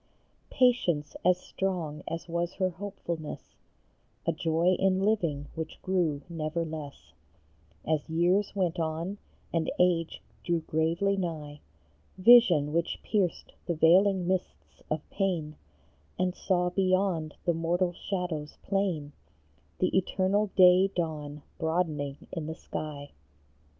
53 Patience as strong as was her hopefulness ; A joy in living which grew never less As years went on and age drew gravely nigh ; Vision which pierced the veiling mists of pain, And saw beyond the mortal shadows plain The eternal day dawn broadening in the sky.